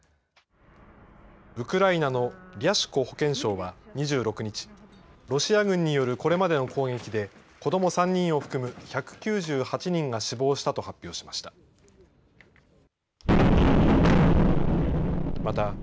ウクライナのリャシュコ保健相は２６日ロシア軍によるこれまでの攻撃で子供３人を含む１９８人が死亡したと発表しました。